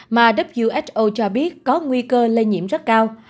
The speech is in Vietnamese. mà who cho biết có nguy cơ lây nhiễm rất cao